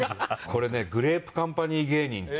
これねグレープカンパニー芸人っていう。